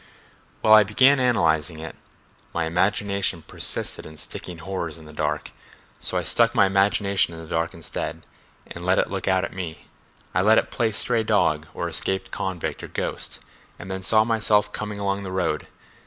"Well, I began analyzing it—my imagination persisted in sticking horrors into the dark—so I stuck my imagination into the dark instead, and let it look out at me—I let it play stray dog or escaped convict or ghost, and then saw myself coming along the road.